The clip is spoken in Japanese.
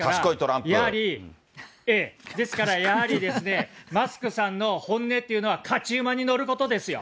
ですからやはり、マスクさんの本音というのは勝ち馬に乗ることですよ。